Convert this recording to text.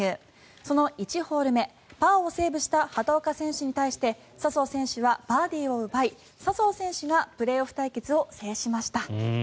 その１ホール目パーをセーブした畑岡選手に対して笹生選手はバーディーを奪い笹生選手がプレーオフ対決を制しました。